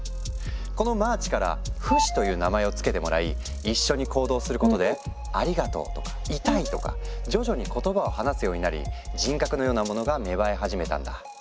このマーチから「フシ」という名前を付けてもらい一緒に行動することで「ありがとオ」とか「イタイ」とか徐々に言葉を話すようになり人格のようなモノが芽生え始めたんだ。